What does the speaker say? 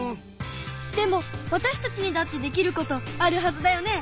でもわたしたちにだってできることあるはずだよね？